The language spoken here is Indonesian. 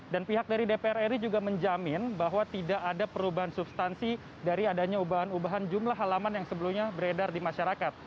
dan pihak dari dpr ri juga menjamin bahwa tidak ada perubahan substansi dari adanya ubahan ubahan jumlah alaman yang sebelumnya beredar di masyarakat